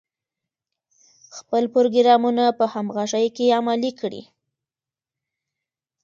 خپل پروګرامونه په همغږۍ کې عملي کړي.